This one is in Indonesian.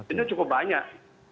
ini cukup banyak